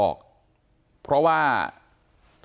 ขอบคุณมากครับขอบคุณมากครับ